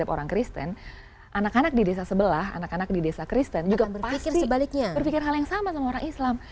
orang kristen anak anak di desa sebelah anak anak di desa kristen juga berpikir sebaliknya berpikir hal yang sama sama orang islam